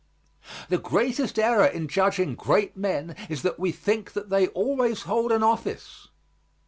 The greatest error in judging great men is that we think that they always hold an office.